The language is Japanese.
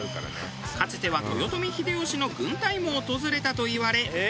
かつては豊臣秀吉の軍隊も訪れたといわれ。